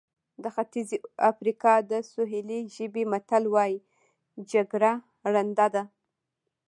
د ختیځې افریقا د سوهیلي ژبې متل وایي جګړه ړنده ده.